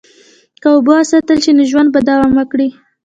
که اوبه وساتل شي، نو ژوند به دوام وکړي.